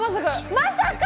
まさか！